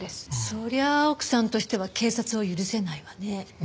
そりゃあ奥さんとしては警察を許せないわね。